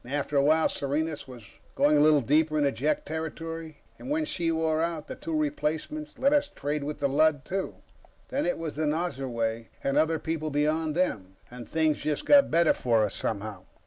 After a while, Serenus was going a little deeper into Jek territory, and when she wore out, the two replacements let us trade with the Lud, too. Then it was the Nosurwey, and other people beyond them, and things just got better for us, somehow.